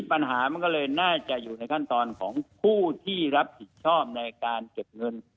แต่ละเดือนเขาเอางุ่งไปหนั่มอีก๒นับ